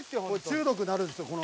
中毒になるんですよ